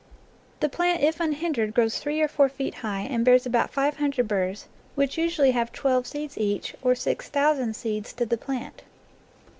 The plant if unhindered grows three or four feet high and bears about five hundred burrs, which usu ally have twelve seeds each, or six thousand seeds to the plant.